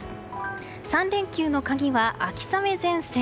３連休の鍵は秋雨前線。